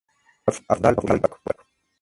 Al-Afdal huyó en barco.